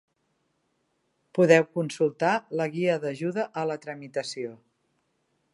Podeu consultar la guia d'ajuda a la tramitació.